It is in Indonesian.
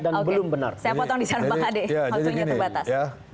dan belum benar saya potong di sana mbak ade